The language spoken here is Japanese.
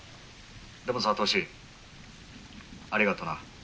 でもさ歳ありがとな」。